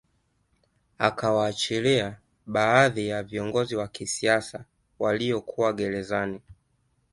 Akawaachilia baadhi ya viongozi wa kisiasa walio kuwa gerezani